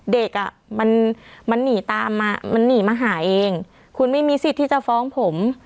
เด็กอ่ะมันมันหนีตามมามันหนีมาหาเองคุณไม่มีสิทธิ์ที่จะฟ้องผม